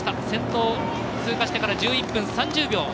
先頭、通過してから１１分３０秒。